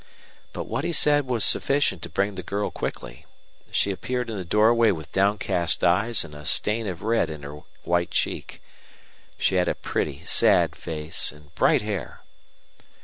But what he said was sufficient to bring the girl quickly. She appeared in the doorway with downcast eyes and a stain of red in her white cheek. She had a pretty, sad face and bright hair.